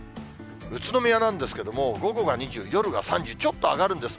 宇都宮なんですけれども、午後は２０、夜は３０、ちょっと上がるんです。